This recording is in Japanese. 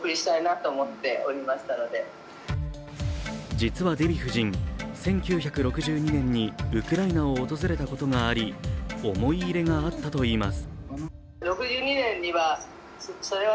実はデヴィ夫人、１９６２年にウクライナを訪れたことがあり思い入れがあったといいます。